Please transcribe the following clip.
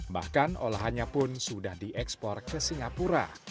bahkan olahannya pun sudah diekspor ke singapura